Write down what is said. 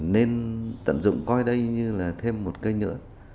nên tận dụng coi đây như là thêm một cây nữa